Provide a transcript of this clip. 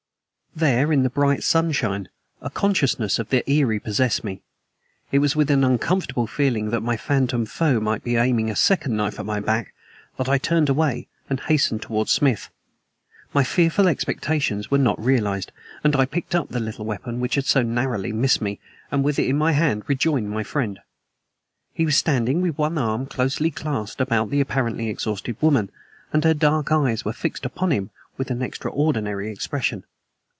There, in the bright sunshine, a consciousness of the eerie possessed me. It was with an uncomfortable feeling that my phantom foe might be aiming a second knife at my back that I turned away and hastened towards Smith. My fearful expectations were not realized, and I picked up the little weapon which had so narrowly missed me, and with it in my hand rejoined my friend. He was standing with one arm closely clasped about the apparently exhausted woman, and her dark eyes were fixed upon him with an extraordinary expression.